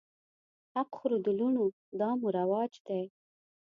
حق خورو د لوڼو دا مو رواج دی